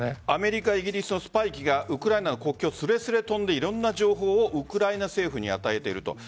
アメリカ、イギリスのスパイ機がウクライナの国境すれすれを飛んでいろんな情報をウクライナ政府に与えていると。